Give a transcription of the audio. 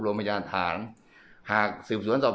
ตอนนี้ก็ไม่มีอัศวินทรีย์